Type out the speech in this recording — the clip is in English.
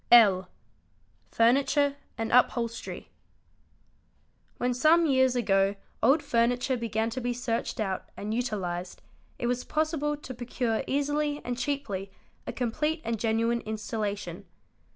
L. Furniture and Upholstery. When some years ago old furniture began to be searched out and uti lised, it was possible to procure easily and cheaply a complete and genuine — installation.